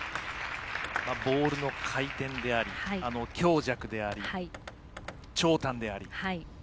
ボールの回転であり強弱であり、長短であり。